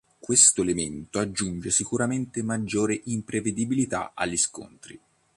Questo elemento aggiunge sicuramente maggiore imprevedibilità agli scontri.